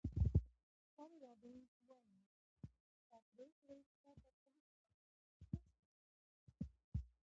توني روبینز وایي چې ستا پریکړې ستا برخلیک ټاکي نه ستا شرایط.